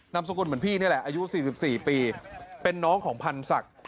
สกุลเหมือนพี่นี่แหละอายุ๔๔ปีเป็นน้องของพันธ์ศักดิ์